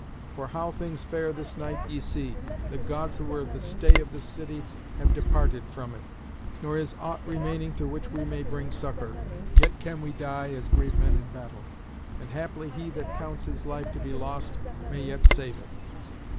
For how things fare this night ye see. The Gods who were the stay of this city have departed from it; nor is aught remaining to which we may bring succour. Yet can we die as brave men in battle. And haply he that counts his life to be lost may yet save it."